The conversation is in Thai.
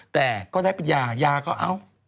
แต่ก็ได้เป็นยายาก็เอ้า